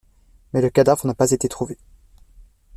Mais le cadavre n'a pas été trouvé...